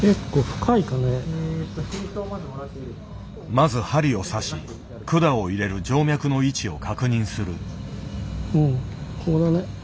まず針を刺し管を入れる静脈の位置を確認する。